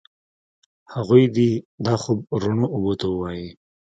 هغوی دي دا خوب روڼو اوبو ته ووایي